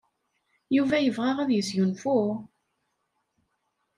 Yuba yebɣa ad yesgunfu?